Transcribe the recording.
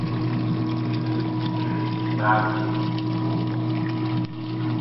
Bù gere yè baawere u koo ko.